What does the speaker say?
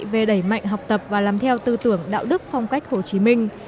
về đẩy mạnh học tập và làm theo tư tưởng đạo đức phong cách hồ chí minh